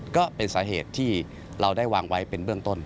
ก็เป็นสาเหตุที่เราได้วางไว้เป็นเบื้องต้น